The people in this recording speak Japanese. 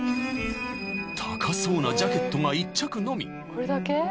［高そうなジャケットが１着のみ］